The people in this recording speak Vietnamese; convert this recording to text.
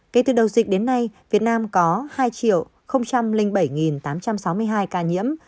kể từ đầu dịch đến nay việt nam có hai bảy tám trăm sáu mươi hai ca nhiễm